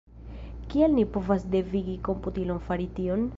Kiel ni povas devigi komputilon fari tion?